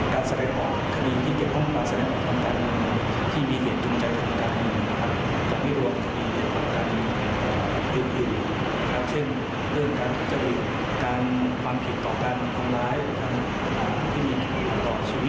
การผลักต่อการทำร้ายที่มีต่อชีวิตและร่างกายประชาที่มี